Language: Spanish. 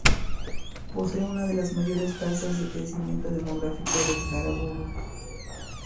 Posee una de las mayores tasas de crecimiento demográfico de Carabobo.